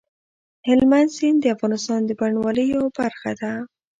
هلمند سیند د افغانستان د بڼوالۍ یوه برخه ده.